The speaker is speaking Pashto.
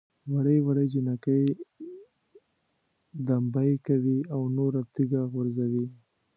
وړې وړې جنکۍ دمبۍ کوي او نور تیږه غورځوي.